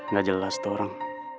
gak jelas tuh orang